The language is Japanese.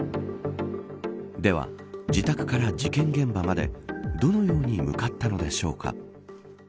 では、自宅から事件現場までどのように向かったのでしょうか。